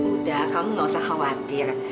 udah kamu gak usah khawatir